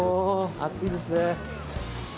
暑いですね。